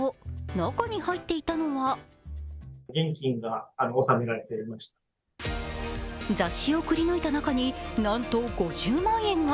中に入っていたのは雑誌をくり抜いた中に、なんと５０万円が。